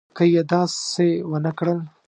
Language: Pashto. که یې داسې ونه کړل.